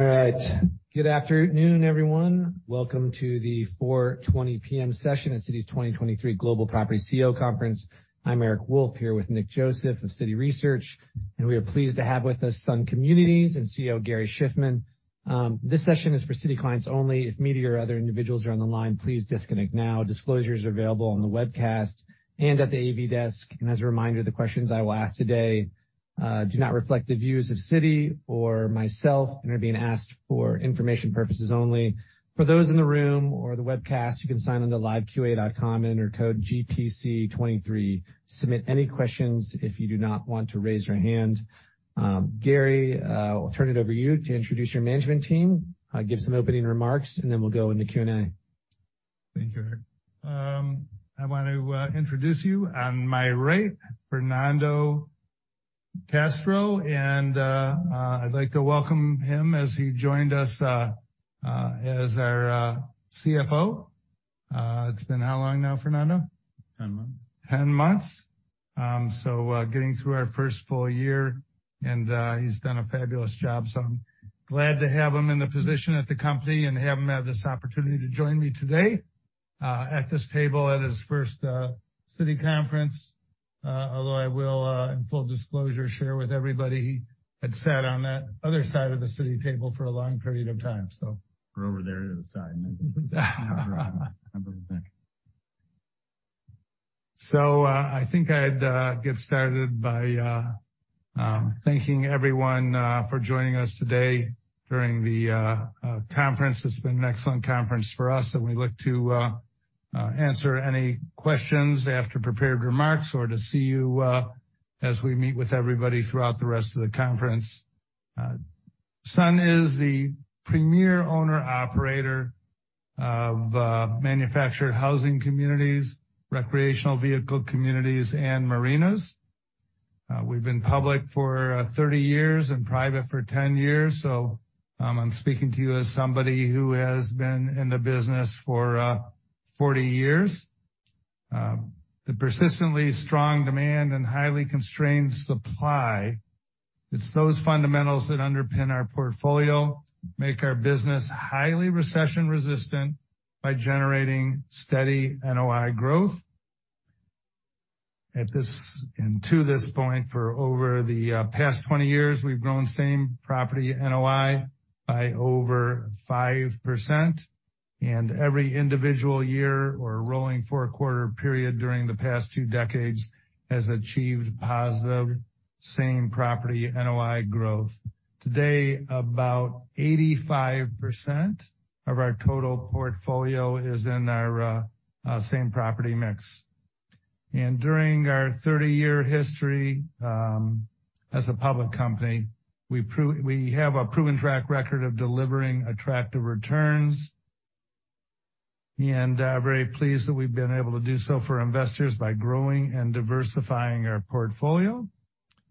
All right. Good afternoon, everyone. Welcome to the 4:20 P.M. session at Citi's 2023 Global Property CEO Conference. I'm Eric Wolfe, here with Nick Joseph of Citi Research. We are pleased to have with us Sun Communities and CEO Gary Shiffman. This session is for Citi clients only. If media or other individuals are on the line, please disconnect now. Disclosures are available on the webcast and at the AV desk. As a reminder, the questions I will ask today do not reflect the views of Citi or myself and are being asked for information purposes only. For those in the room or the webcast, you can sign into LiveQA.com enter Code: GPC23. Submit any questions if you do not want to raise your hand. Gary, I'll turn it over to you to introduce your management team, give some opening remarks, and then we'll go into Q&A. Thank you, Eric. I want to introduce you on my right, Fernando Castro-Caratini, I'd like to welcome him as he joined us as our CFO. It's been how long now, Fernando? 10 months. 10 months. Getting through our first full-year, he's done a fabulous job, I'm glad to have him in the position at the company and have him have this opportunity to join me today at this table at his first Citi conference. Although I will in full disclosure, share with everybody he had sat on that other side of the Citi table for a long period of time. We're over there to the side. I think I'd get started by thanking everyone for joining us today during the conference. It's been an excellent conference for us, and we look to answer any questions after prepared remarks or to see you as we meet with everybody throughout the rest of the conference. Sun is the premier owner-operator of manufactured housing communities, recreational vehicle communities, and marinas. We've been public for 30 years and private for 10 years, so I'm speaking to you as somebody who has been in the business for 40 years. The persistently strong demand and highly constrained supply, it's those fundamentals that underpin our portfolio, make our business highly recession-resistant by generating steady NOI growth. At this and to this point, for over the past 20 years, we've grown same-property NOI by over 5%, and every individual year or rolling 4-quarter period during the past two decades has achieved positive same-property NOI growth. Today, about 85% of our total portfolio is in our same-property mix. During our 30-year history, as a public company, we have a proven track record of delivering attractive returns. Very pleased that we've been able to do so for investors by growing and diversifying our portfolio.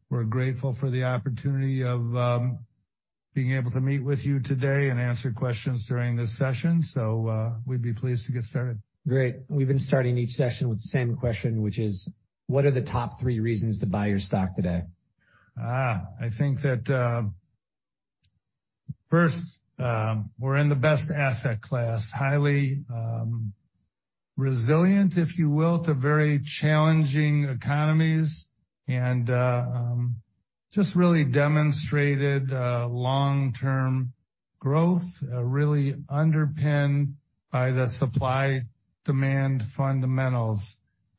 We're grateful for the opportunity of being able to meet with you today and answer questions during this session. We'd be pleased to get started. Great. We've been starting each session with the same question, which is: what are the top three reasons to buy your stock today? I think that first, we're in the best asset class. Highly resilient, if you will, to very challenging economies and just really demonstrated long-term growth really underpinned by the supply/demand fundamentals.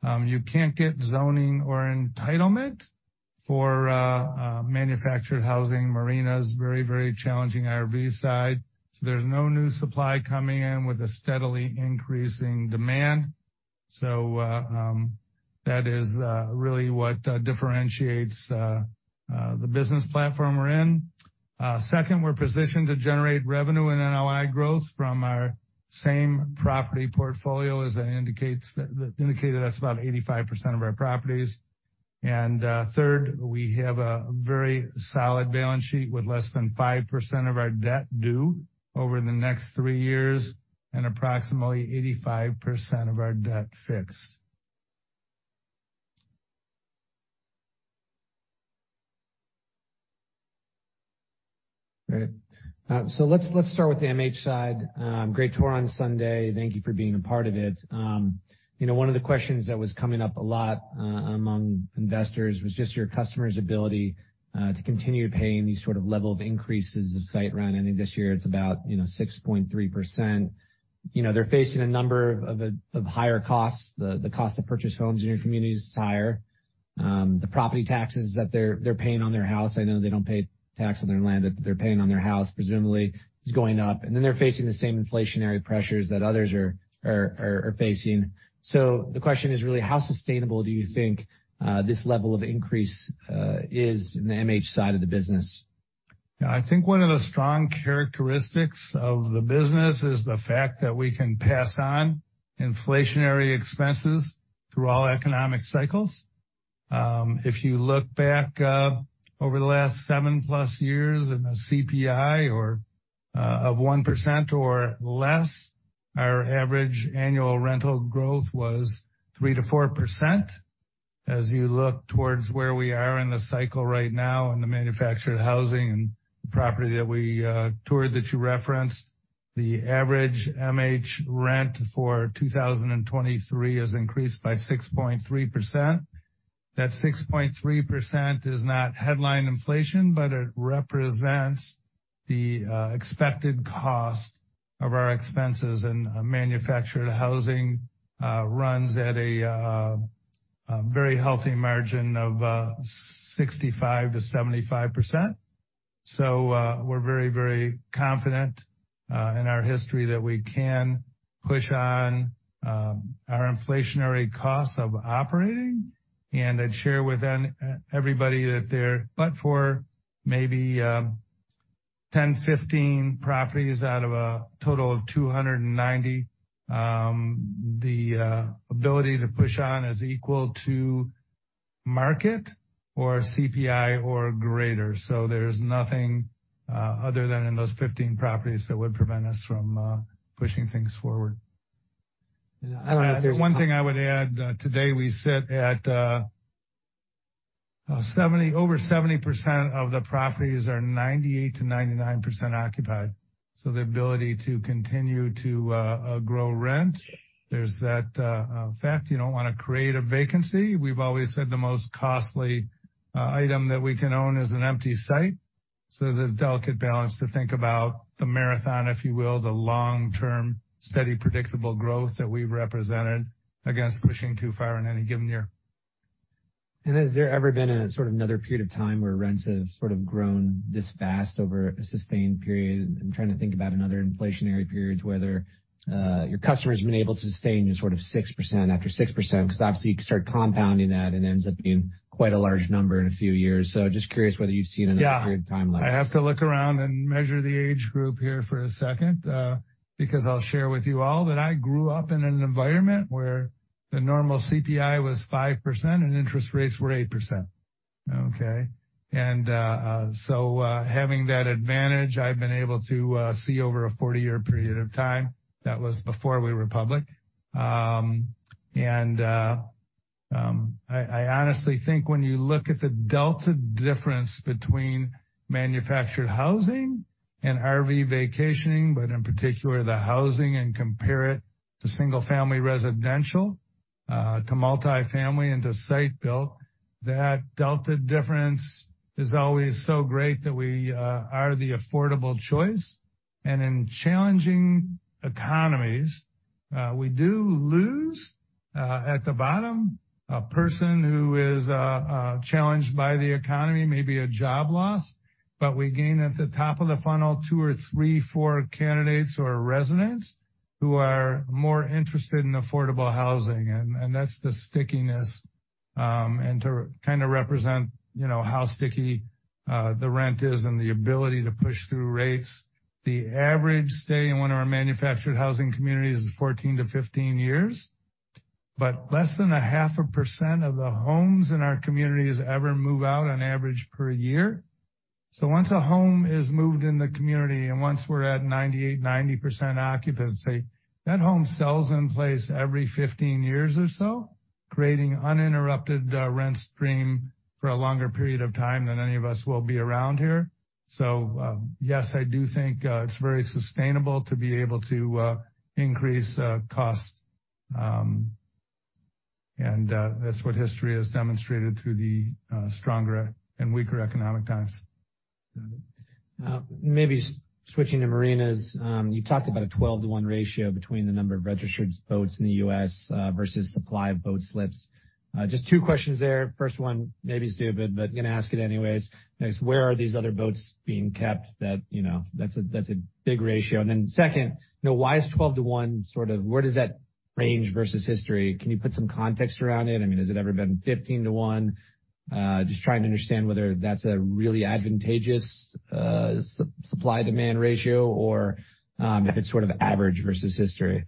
You can't get zoning or entitlement for manufactured housing, marinas, very, very challenging RV side, so there's no new supply coming in with a steadily increasing demand. That is really what differentiates the business platform we're in. Second, we're positioned to generate revenue and NOI growth from our same-property portfolio. As that indicated, that's about 85% of our properties. Third, we have a very solid balance sheet with less than 5% of our debt due over the next three years and approximately 85% of our debt fixed. Great. Let's start with the MH side. Great tour on Sunday. Thank you for being a part of it. You know, one of the questions that was coming up a lot among investors was just your customers' ability to continue paying these sort of level of increases of site rent. I think this year it's about, you know, 6.3%. You know, they're facing a number of higher costs. The cost to purchase homes in your communities is higher. The property taxes that they're paying on their house, I know they don't pay tax on their land, but they're paying on their house, presumably is going up. They're facing the same inflationary pressures that others are facing. The question is really, how sustainable do you think, this level of increase, is in the MH side of the business? I think one of the strong characteristics of the business is the fact that we can pass on inflationary expenses through all economic cycles. If you look back, over the last 7+ years in the CPI or of 1% or less, our average annual rental growth was 3%-4%. As you look towards where we are in the cycle right now in the manufactured housing and the property that we toured that you referenced, the average MH rent for 2023 has increased by 6.3%. That 6.3% is not headline inflation, but it represents the expected cost of our expenses, and manufactured housing runs at a very healthy margin of 65%-75%. We're very, very confident, in our history that we can push on, our inflationary costs of operating. I'd share with everybody that there, but for maybe, 10, 15 properties out of a total of 290, the ability to push on is equal to market or CPI or greater. There's nothing, other than in those 15 properties that would prevent us from, pushing things forward. I don't know if there's-. One thing I would add, today we sit at over 70% of the properties are 98%-99% occupied. The ability to continue to grow rent, there's that fact. You don't wanna create a vacancy. We've always said the most costly item that we can own is an empty site. There's a delicate balance to think about the marathon, if you will, the long-term steady, predictable growth that we've represented against pushing too far in any given year. Has there ever been a sort of another period of time where rents have sort of grown this fast over a sustained period? I'm trying to think about another inflationary periods whether your customer's been able to sustain just sort of 6% after 6% 'cause obviously you can start compounding that and it ends up being quite a large number in a few years. Just curious whether you've seen another period of time like that. Yeah. I have to look around and measure the age group here for a second, because I'll share with you all that I grew up in an environment where the normal CPI was 5% and interest rates were 8%. Okay. Having that advantage, I've been able to see over a 40-year period of time. That was before we were public. I honestly think when you look at the delta difference between manufactured housing and RV vacationing, but in particular the housing, and compare it to single-family residential, to multi-family into site-build, that delta difference is always so great that we are the affordable choice. In challenging economies, we do lose, at the bottom, a person who is challenged by the economy, maybe a job loss. We gain at the top of the funnel two or three, four candidates or residents who are more interested in affordable housing. That's the stickiness, and to kinda represent, you know, how sticky the rent is and the ability to push through rates. The average stay in one of our manufactured housing communities is 14-15 years, but less than 0.5% of the homes in our communities ever move out on average per year. Once a home is moved in the community, and once we're at 98%, 90% occupancy, that home sells in place every 15 years or so, creating uninterrupted rent stream for a longer period of time than any of us will be around here. Yes, I do think it's very sustainable to be able to increase costs. That's what history has demonstrated through the stronger and weaker economic times. Maybe switching to marinas. You talked about a 12 to 1 ratio between the number of registered boats in the U.S., versus supply of boat slips. Just two questions there. First one maybe is stupid, but gonna ask it anyways. Is where are these other boats being kept that, you know, that's a big ratio? Second, you know, why is 12 to 1 sort of where does that range versus history? Can you put some context around it? I mean, has it ever been 15 to 1? Just trying to understand whether that's a really advantageous, supply-demand ratio or, if it's sort of average versus history.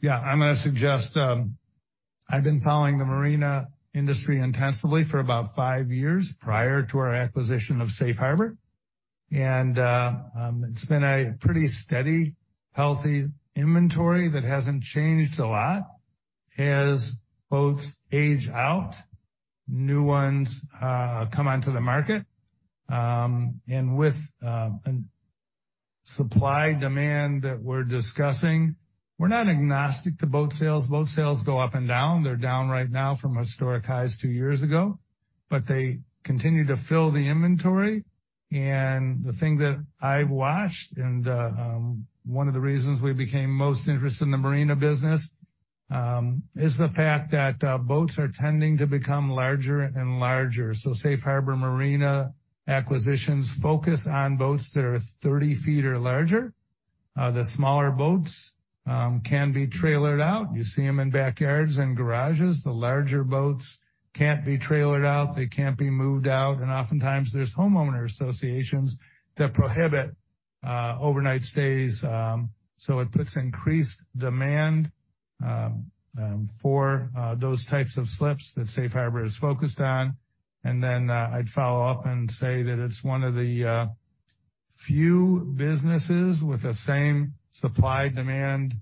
Yeah. I'm gonna suggest, I've been following the marina industry intensively for about five years prior to our acquisition of Safe Harbor. It's been a pretty steady, healthy inventory that hasn't changed a lot. As boats age out, new ones come onto the market. With supply demand that we're discussing, we're not agnostic to boat sales. Boat sales go up and down. They're down right now from historic highs two years ago, but they continue to fill the inventory. The thing that I've watched, one of the reasons we became most interested in the marina business, is the fact that boats are tending to become larger and larger. Safe Harbor Marina acquisitions focus on boats that are 30 feet or larger. The smaller boats can be trailered out. You see them in backyards and garages. The larger boats can't be trailered out. They can't be moved out. Oftentimes there's homeowner associations that prohibit overnight stays, so it puts increased demand for those types of slips that Safe Harbor is focused on. Then I'd follow up and say that it's one of the few businesses with the same supply-demand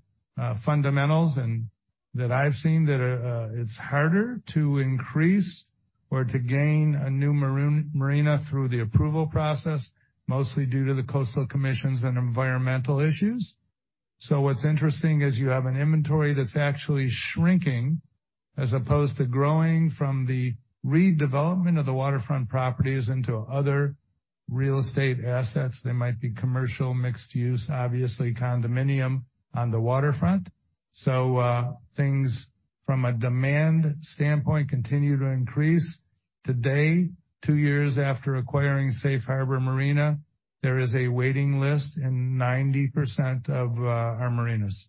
fundamentals and that I've seen that it's harder to increase or to gain a new marina through the approval process, mostly due to the coastal commissions and environmental issues. What's interesting is you have an inventory that's actually shrinking as opposed to growing from the redevelopment of the waterfront properties into other real estate assets. They might be commercial, mixed use, obviously condominium on the waterfront. Things from a demand standpoint continue to increase. Today, two years after acquiring Safe Harbor Marinas, there is a waiting list in 90% of our marinas.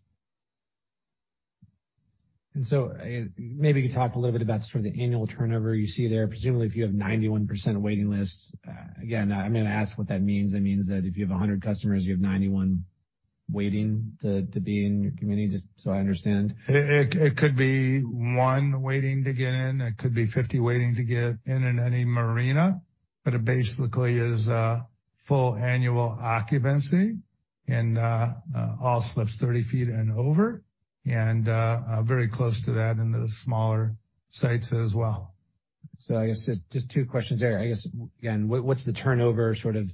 Maybe you could talk a little bit about sort of the annual turnover you see there. Presumably, if you have 91% waiting lists, again, I'm gonna ask what that means. That means that if you have 100 customers, you have 91 waiting to be in your community, just so I understand? It could be 1 waiting to get in, it could be 50 waiting to get in any marina. It basically is full annual occupancy and all slips 30 feet and over, and very close to that in the smaller sites as well. I guess just two questions there. I guess, again, what's the turnover sort of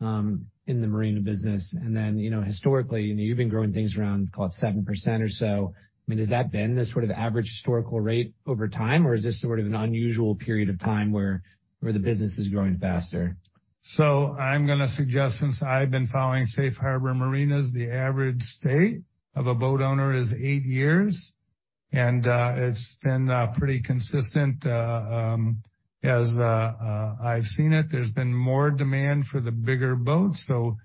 in the marina business? Then, you know, historically, you know, you've been growing things around call it 7% or so. I mean, has that been the sort of average historical rate over time, or is this sort of an unusual period of time where the business is growing faster? I'm gonna suggest, since I've been following Safe Harbor Marinas, the average stay of a boat owner is eight years, and it's been pretty consistent as I've seen it. There's been more demand for the bigger boats. Some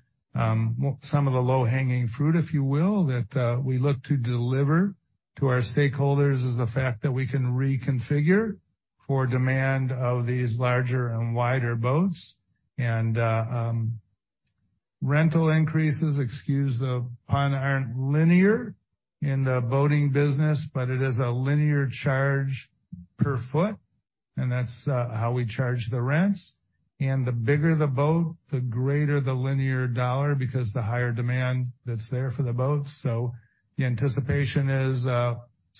of the low-hanging fruit, if you will, that we look to deliver to our stakeholders is the fact that we can reconfigure for demand of these larger and wider boats. Rental increases, excuse the pun, aren't linear in the boating business, but it is a linear charge per foot, and that's how we charge the rents. The bigger the boat, the greater the linear dollar because the higher demand that's there for the boat. The anticipation is,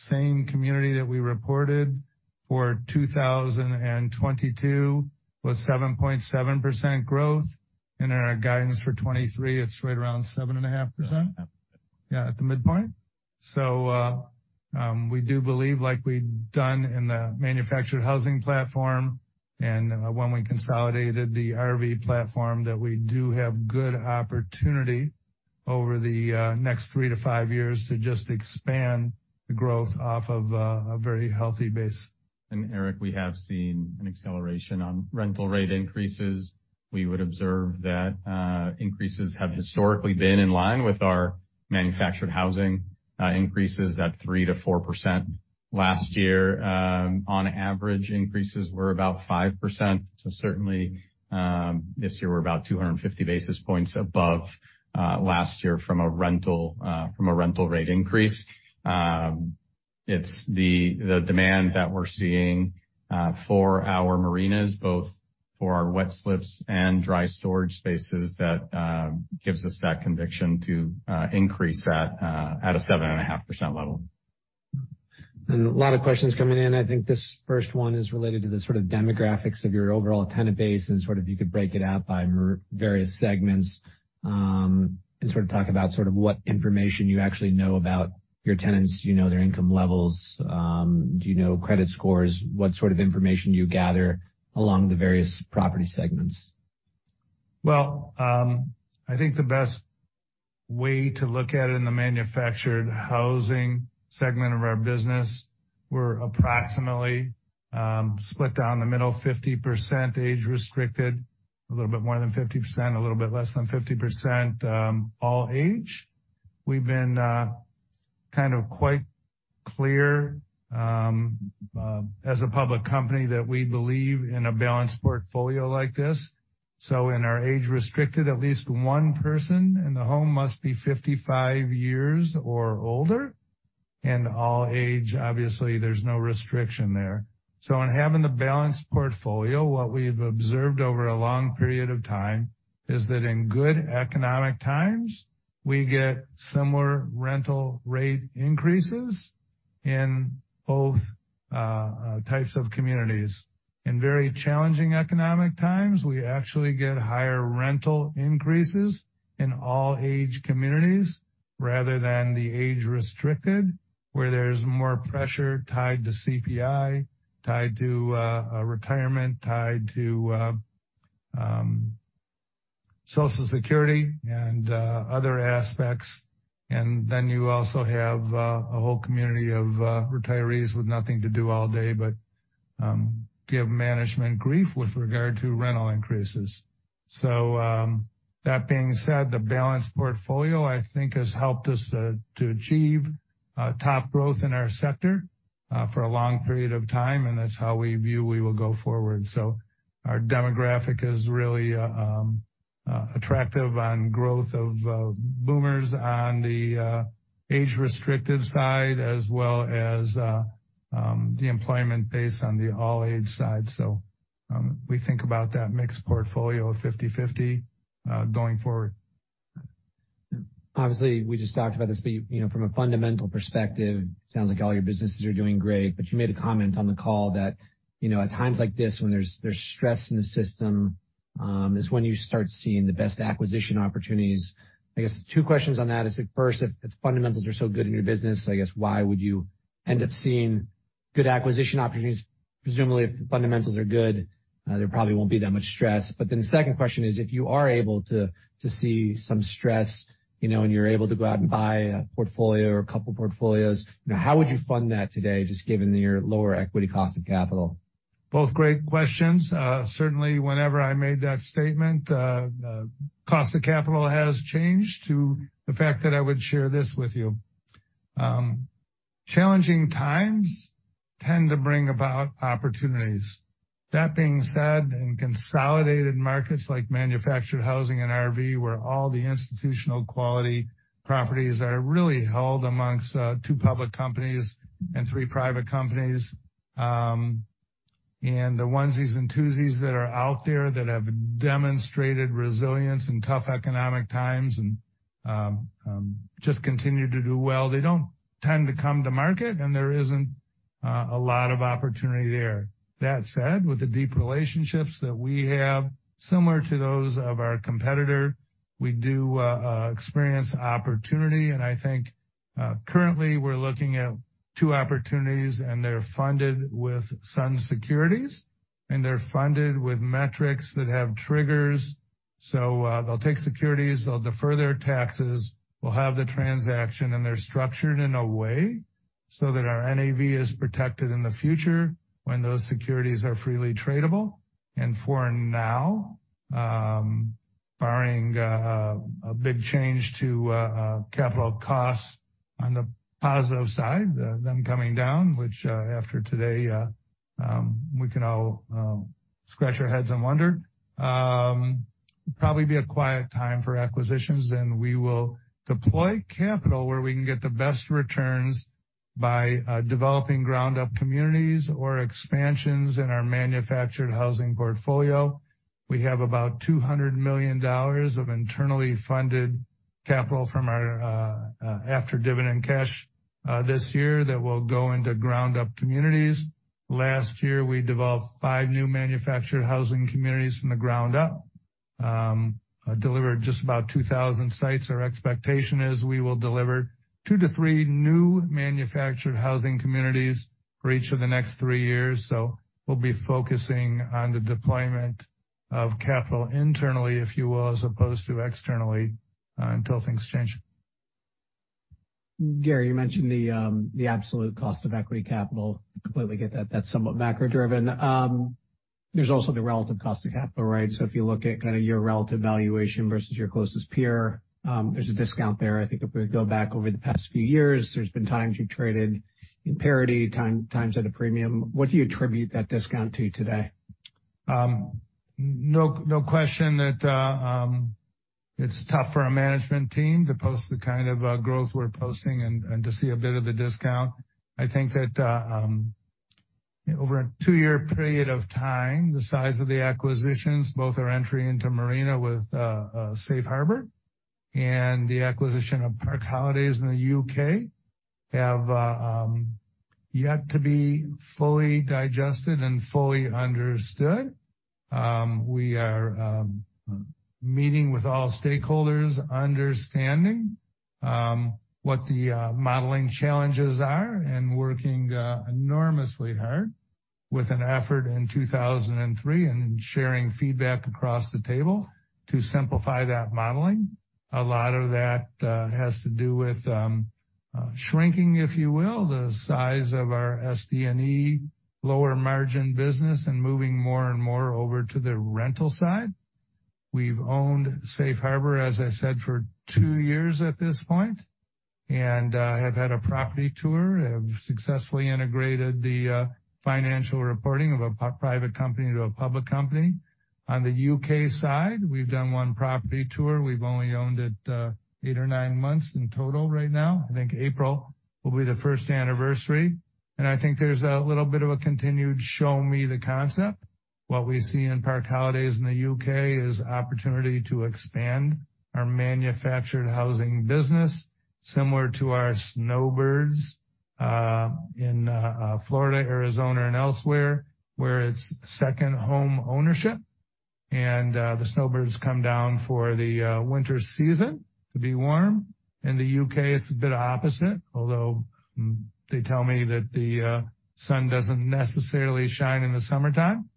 same community that we reported for 2022 was 7.7% growth. In our guidance for 2023, it's right around 7.5%. Yeah. Yeah, at the midpoint. We do believe, like we've done in the manufactured housing platform and when we consolidated the RV platform, that we do have good opportunity over the next three to five years to just expand the growth off of a very healthy base. Eric, we have seen an acceleration on rental rate increases. We would observe that, increases have historically been in line with our manufactured housing, increases at 3%-4%. Last year, on average, increases were about 5%. Certainly, this year we're about 250 basis points above, last year from a rental, from a rental rate increase. It's the demand that we're seeing, for our marinas, both for our wet slips and dry storage spaces that, gives us that conviction to, increase at a 7.5% level. A lot of questions coming in. I think this first one is related to the sort of demographics of your overall tenant base and sort of if you could break it out by various segments, and sort of talk about sort of what information you actually know about your tenants. Do you know their income levels? Do you know credit scores? What sort of information do you gather along the various property segments? Well, I think the best way to look at it in the manufactured housing segment of our business, we're approximately split down the middle, 50% age-restricted, a little bit more than 50%, a little bit less than 50%, all-age. We've been kind of quite clear as a public company that we believe in a balanced portfolio like this. In our age-restricted, at least one person in the home must be 55 years or older. All-age, obviously, there's no restriction there. In having the balanced portfolio, what we've observed over a long period of time is that in good economic times, we get similar rental rate increases in both types of communities. In very challenging economic times, we actually get higher rental increases in all-age communities rather than the age-restricted, where there's more pressure tied to CPI, tied to retirement, tied to Social Security and other aspects. You also have a whole community of retirees with nothing to do all day but give management grief with regard to rental increases. That being said, the balanced portfolio, I think, has helped us to achieve top growth in our sector for a long period of time, and that's how we view we will go forward. Our demographic is really attractive on growth of boomers on the age-restricted side as well as the employment base on the all-age side. We think about that mixed portfolio of 50/50 going forward. Obviously, we just talked about this, but, you know, from a fundamental perspective, sounds like all your businesses are doing great. You made a comment on the call that, you know, at times like this when there's stress in the system, is when you start seeing the best acquisition opportunities. I guess two questions on that is that, first, if the fundamentals are so good in your business, I guess why would you end up seeing good acquisition opportunities? Presumably, if the fundamentals are good, there probably won't be that much stress. The second question is, if you are able to see some stress, you know, and you're able to go out and buy a portfolio or a couple portfolios, how would you fund that today, just given your lower equity cost of capital? Both great questions. Certainly whenever I made that statement, cost of capital has changed to the fact that I would share this with you. Challenging times tend to bring about opportunities. That being said, in consolidated markets like manufactured housing and RV, where all the institutional-quality properties are really held amongst two public companies and three private companies, and the onesies and twosies that are out there that have demonstrated resilience in tough economic times and just continue to do well, they don't tend to come to market, and there isn't a lot of opportunity there. That said, with the deep relationships that we have, similar to those of our competitor, we do experience opportunity. I think currently we're looking at two opportunities, and they're funded with Sun Securities, and they're funded with metrics that have triggers. They'll take securities, they'll defer their taxes. We'll have the transaction. They're structured in a way so that our NAV is protected in the future when those securities are freely tradable. For now, barring a big change to capital costs on the positive side of them coming down, which after today, we can all scratch our heads and wonder, probably be a quiet time for acquisitions. We will deploy capital where we can get the best returns by developing ground-up communities or expansions in our manufactured housing portfolio. We have about $200 million of internally funded capital from our after-dividend cash this year that will go into ground-up communities. Last year, we developed five new manufactured housing communities from the ground-up, delivered just about 2,000 sites. Our expectation is we will deliver two to three new manufactured housing communities for each of the next three years. We'll be focusing on the deployment of capital internally, if you will, as opposed to externally, until things change. Gary, you mentioned the absolute cost of equity capital. Completely get that that's somewhat macro-driven. There's also the relative cost of capital, right? If you look at kinda your relative valuation versus your closest peer, there's a discount there. I think if we go back over the past few years, there's been times you traded in parity, times at a premium. What do you attribute that discount to today? No, no question that it's tough for our management team to post the kind of growth we're posting and to see a bit of a discount. I think that over a 2-year period of time, the size of the acquisitions, both our entry into marina with Safe Harbor and the acquisition of Park Holidays in the U.K., have yet to be fully digested and fully understood. We are meeting with all stakeholders, understanding what the modeling challenges are, and working enormously hard with an effort in 2003, and then sharing feedback across the table to simplify that modeling. A lot of that has to do with shrinking, if you will, the size of our SDNE lower-margin business and moving more and more over to the rental side. We've owned Safe Harbor, as I said, for two years at this point, and have had a property tour, have successfully integrated the financial reporting of a private company to a public company. On the U.K. side, we've done one property tour. We've only owned it, eight or nine months in total right now. I think April will be the first anniversary. I think there's a little bit of a continued show me the concept. What we see in Park Holidays UK is opportunity to expand our manufactured housing business, similar to our snowbirds, in Florida, Arizona, and elsewhere, where it's second homeownership. The snowbirds come down for the winter season to be warm. In the U.K., it's a bit opposite, although they tell me that the sun doesn't necessarily shine in the summertime.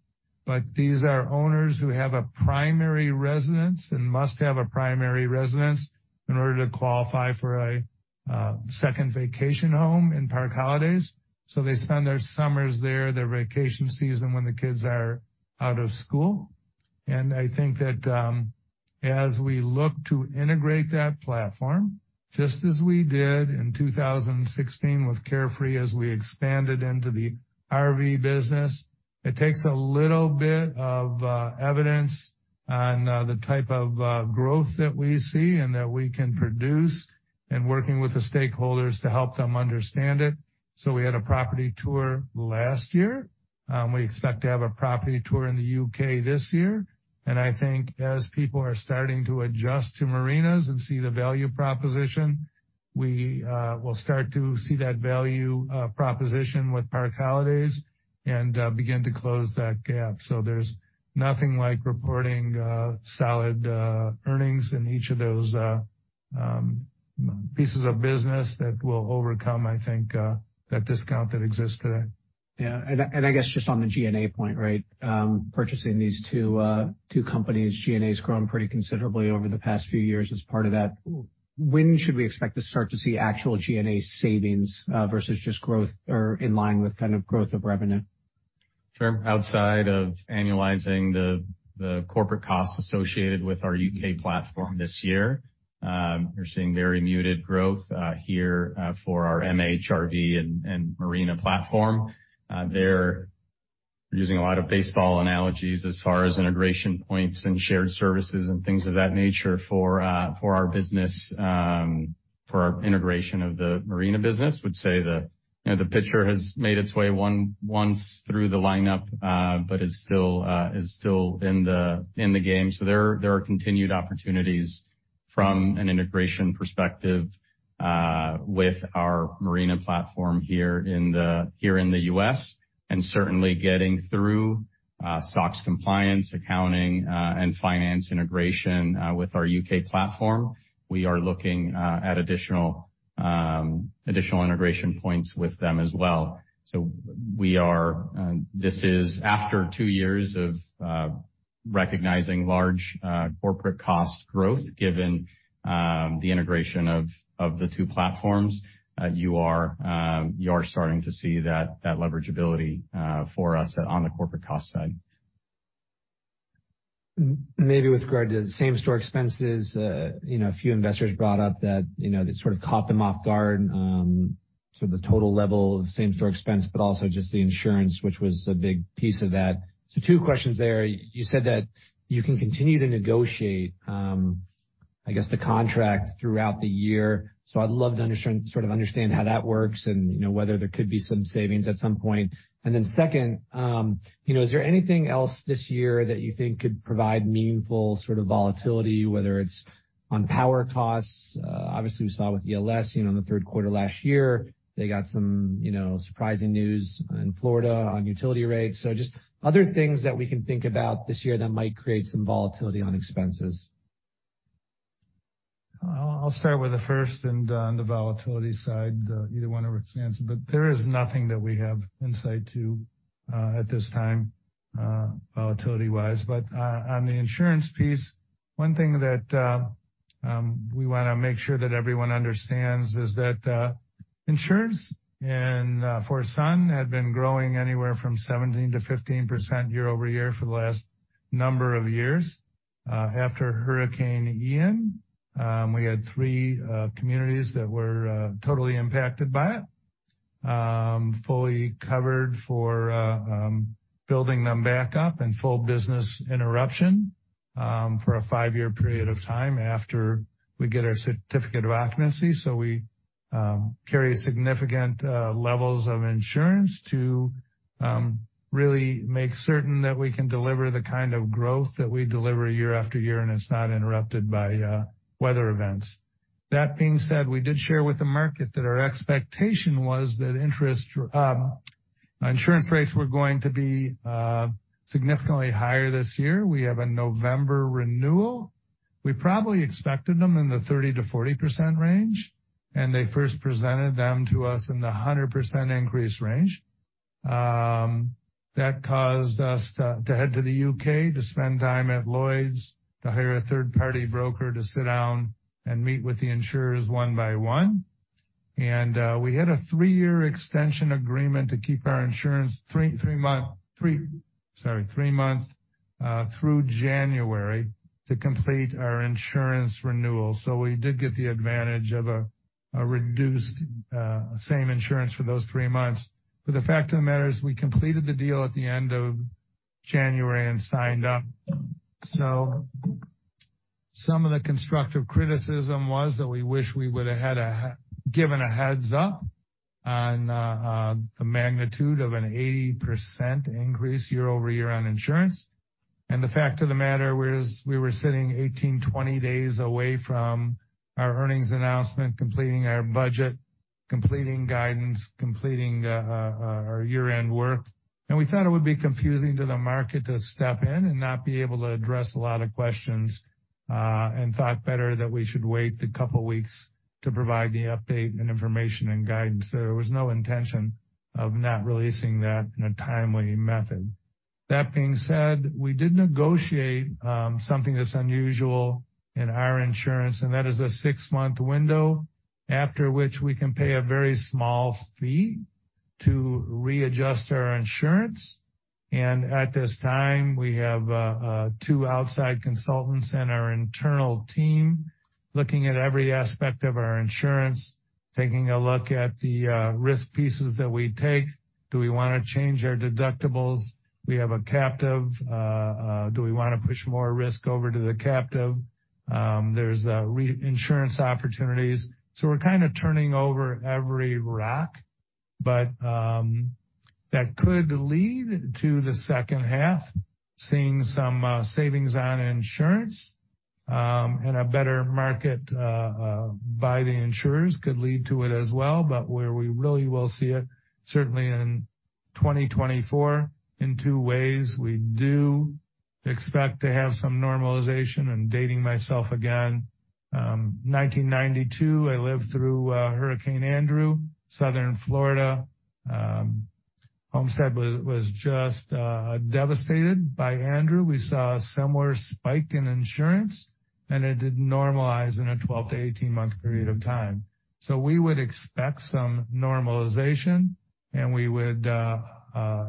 These are owners who have a primary residence and must have a primary residence in order to qualify for a second vacation home in Park Holidays. They spend their summers there, their vacation season when the kids are out of school. I think that, as we look to integrate that platform, just as we did in 2016 with Carefree as we expanded into the RV business. It takes a little bit of evidence on the type of growth that we see and that we can produce, and working with the stakeholders to help them understand it. We had a property tour last year. We expect to have a property tour in the U.K. this year. I think as people are starting to adjust to marinas and see the value proposition, we will start to see that value proposition with Park Holidays and begin to close that gap. There's nothing like reporting solid earnings in each of those pieces of business that will overcome, I think, that discount that exists today. Yeah. I guess just on the G&A point, right? Purchasing these two companies, G&A has grown pretty considerably over the past few years as part of that. When should we expect to start to see actual G&A savings versus just growth or in line with kind of growth of revenue? Sure. Outside of annualizing the corporate costs associated with our U.K. platform this year, we're seeing very muted growth here for our MHRV and Marina platform. They're using a lot of baseball analogies as far as integration points and shared services and things of that nature for our business, for our integration of the Marina business, would say the, you know, the pitcher has made its way once through the lineup, but is still in the game. There are continued opportunities from an integration perspective with our Marina platform here in the U.S., and certainly getting through SOX compliance, accounting, and finance integration with our U.K. platform. We are looking at additional integration points with them as well. This is after two years of recognizing large corporate cost growth, given the integration of the two platforms. You are starting to see that leverageability for us on the corporate cost side. Maybe with regard to the same-store expenses, you know, a few investors brought up that, you know, that sort of caught them off guard, sort of the total level of same-store expense, but also just the insurance, which was a big piece of that. Two questions there. You said that you can continue to negotiate, I guess, the contract throughout the year. I'd love to understand how that works and, you know, whether there could be some savings at some point. Second, you know, is there anything else this year that you think could provide meaningful sort of volatility, whether it's on power costs? Obviously we saw with ELS, you know, in the third quarter last year, they got some, you know, surprising news in Florida on utility rates. Just other things that we can think about this year that might create some volatility on expenses. I'll start with the first and on the volatility side, either one of it stands. There is nothing that we have insight to at this time, volatility-wise. On the insurance piece, one thing that we wanna make sure that everyone understands is that insurance and for Sun had been growing anywhere from 17%-15% year-over-year for the last number of years. After Hurricane Ian, we had three communities that were totally impacted by it, fully covered for building them back up and full business interruption for a five-year period of time after we get our certificate of occupancy. We carry significant levels of insurance to really make certain that we can deliver the kind of growth that we deliver year after year, and it's not interrupted by weather events. That being said, we did share with the market that our expectation was that interest, insurance rates were going to be significantly higher this year. We have a November renewal. We probably expected them in the 30%-40% range, and they first presented them to us in the 100% increase range. That caused us to head to the U.K. To spend time at Lloyd's, to hire a third-party broker to sit down and meet with the insurers one by one. We had a 3-year extension agreement to keep our insurance three months through January to complete our insurance renewal. We did get the advantage of a reduced, same insurance for those three months. The fact of the matter is we completed the deal at the end of January and signed up. Some of the constructive criticism was that we wish we would've had given a heads up on the magnitude of an 80% increase year-over-year on insurance. The fact of the matter was, we were sitting 18, 20 days away from our earnings announcement, completing our budget, completing guidance, completing our year-end work. We thought it would be confusing to the market to step in and not be able to address a lot of questions, and thought better that we should wait a couple weeks to provide the update and information and guidance. There was no intention of not releasing that in a timely method. That being said, we did negotiate something that's unusual in our insurance, and that is a six-month window after which we can pay a very small fee to readjust our insurance. At this time, we have two outside consultants and our internal team looking at every aspect of our insurance. Taking a look at the risk pieces that we take. Do we wanna change our deductibles? We have a captive. Do we wanna push more risk over to the captive? There's reinsurance opportunities. We're kinda turning over every rock, that could lead to the second half, seeing some savings on insurance, and a better market by the insurers could lead to it as well. Where we really will see it, certainly in 2024 in two ways, we do expect to have some normalization. I'm dating myself again. 1992, I lived through Hurricane Andrew, southern Florida. Homestead was just devastated by Andrew. We saw a similar spike in insurance, and it did normalize in a 12-18-month period of time. We would expect some normalization, and we would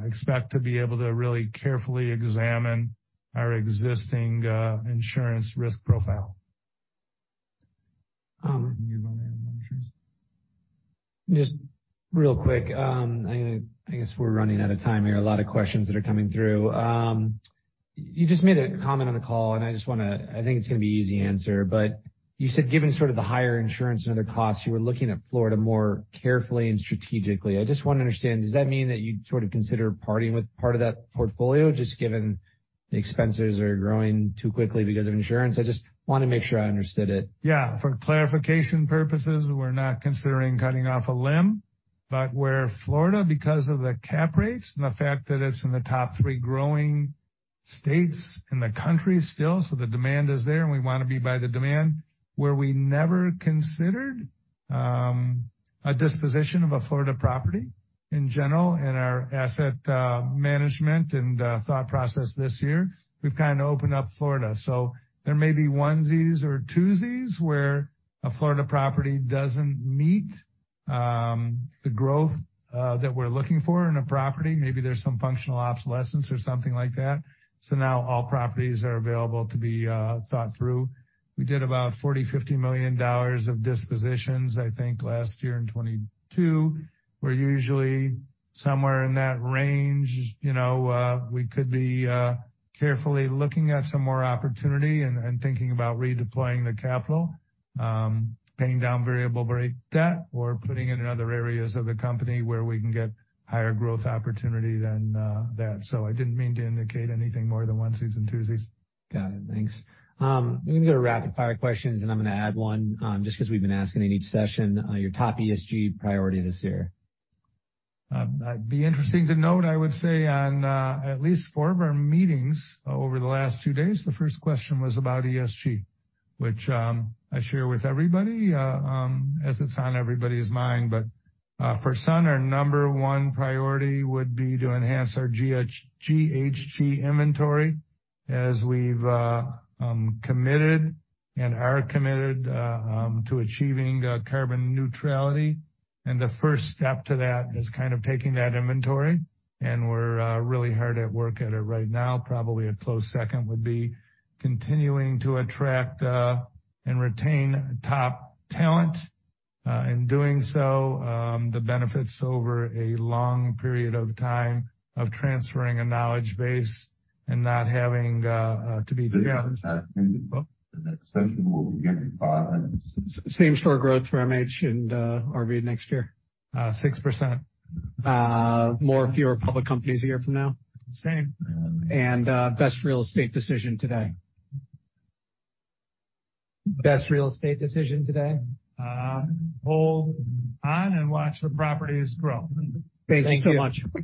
expect to be able to really carefully examine our existing insurance risk profile. You go ahead on insurance. Just real quick, I guess we're running out of time here. A lot of questions that are coming through. You just made a comment on the call, I just wanna... I think it's gonna be an easy answer. You said, given sort of the higher insurance and other costs, you were looking at Florida more carefully and strategically. I just wanna understand, does that mean that you'd sort of consider parting with part of that portfolio, just given the expenses are growing too quickly because of insurance? I just wanna make sure I understood it. For clarification purposes, we're not considering cutting off a limb. But where Florida, because of the cap rates and the fact that it's in the top three growing states in the country still, the demand is there, and we wanna be by the demand, where we never considered a disposition of a Florida property in general in our asset management and thought process this year, we've kinda opened up Florida. There may be onesies or twosies where a Florida property doesn't meet the growth that we're looking for in a property. Maybe there's some functional obsolescence or something like that. Now all properties are available to be thought through. We did about $40-50 million of dispositions, I think, last year in 2022. We're usually somewhere in that range. You know, we could be carefully looking at some more opportunity and thinking about redeploying the capital, paying down variable rate debt or putting it in other areas of the company where we can get higher growth opportunity than that. I didn't mean to indicate anything more than onesies and twosies. Got it. Thanks. We can go to rapid-fire questions. I'm gonna add one, just 'cause we've been asking in each session, your top ESG priority this year. That'd be interesting to note, I would say on at least four of our meetings over the last two days, the first question was about ESG, which I share with everybody as it's on everybody's mind. For Sun, our number one priority would be to enhance our GHG inventory as we've committed and are committed to achieving carbon neutrality. The first step to that is kind of taking that inventory, and we're really hard at work at it right now. Probably a close second would be continuing to attract and retain top talent. In doing so, the benefits over a long period of time of transferring a knowledge base and not having same-store growth for MH and RV next year, 6%. more or fewer public companies a year from now? Same. Best real estate decision today. Best real estate decision today? Hold on and watch the properties grow. Thank you so much.